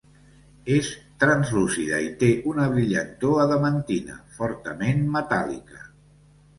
És translúcida i té una brillantor adamantina, fortament metàl·lica.